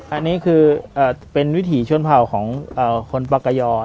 อันนี้คือเป็นวิถีชนเผ่าของคนปากกย